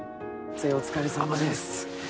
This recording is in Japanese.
お疲れさまです。